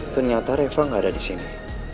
ternyata reva nggak ada di sini